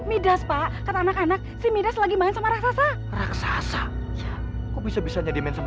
midas pak kan anak anak si midas lagi main sama raksasa raksasa aku bisa bisa jadi main sama